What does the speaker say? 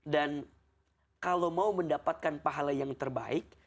dan kalau mau mendapatkan pahala yang terbaik